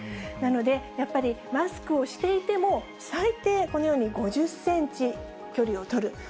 なので、やっぱり、マスクをしていても、最低このように５０センチ距離を取る。